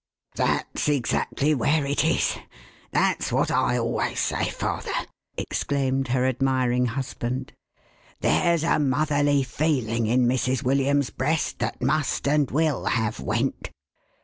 "That's exactly where it is. That's what I always say, father!" exclaimed her admiring husband. "There's ;t motherly feeling in Mrs. William's breast that must and will have went